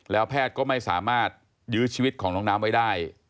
แล้วแพทย์ก็ไม่สามารถยื้อชีวิตของน้องน้ำไว้ได้